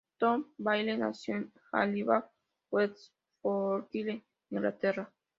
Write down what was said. Tom Bailey nació en Halifax, West Yorkshire, Inglaterra.